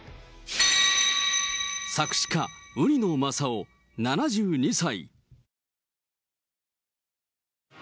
作詞家、売野雅勇７２歳。